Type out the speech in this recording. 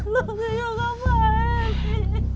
พี่ควรจะอยู่กลัวไว้